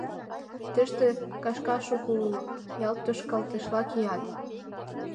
Тыште кашка шуко уло, ялт тошкалтышла кият...